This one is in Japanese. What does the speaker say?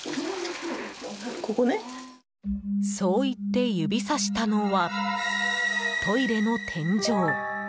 そう言って指さしたのはトイレの天井。